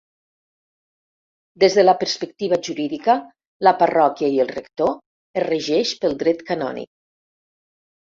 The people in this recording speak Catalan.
Des de la perspectiva jurídica la parròquia i el rector es regeix pel dret canònic.